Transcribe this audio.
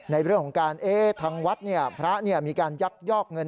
ในเรื่องของการทางวัดพระมีการยักยอกเงิน